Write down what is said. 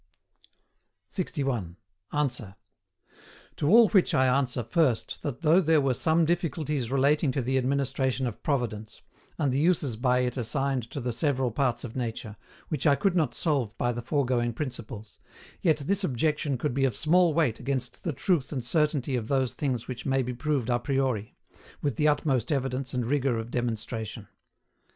61. ANSWER. To all which I answer, first, that though there were some difficulties relating to the administration of Providence, and the uses by it assigned to the several parts of nature, which I could not solve by the foregoing principles, yet this objection could be of small weight against the truth and certainty of those things which may be proved a priori, with the utmost evidence and rigor of demonstration.